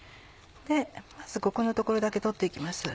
でまずここの所だけ取って行きます。